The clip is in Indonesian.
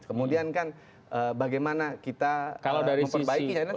kemudian kan bagaimana kita memperbaikinya